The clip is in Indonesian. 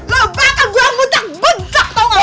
lo bakal gua mutak butak tau gak